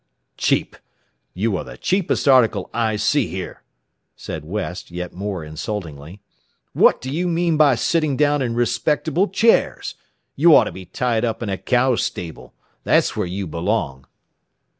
"Cheap! You are the cheapest article I see here," replied West, yet more insultingly. "What do you mean by sitting down in respectable chairs? You ought to be tied up in a cow stable. That's where you belong."